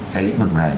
cái lĩnh vực này